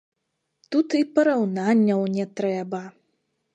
Тут і параўнанняў не трэба.